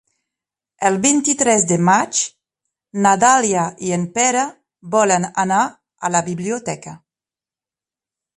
El vint-i-tres de maig na Dàlia i en Pere volen anar a la biblioteca.